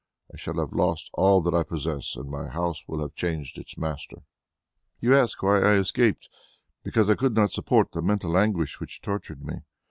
I shall have lost all that I possess, and my house will have changed its master. "You asked why I escaped. Because I could not support the mental anguish which tortured me.